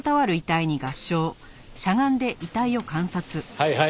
はいはい。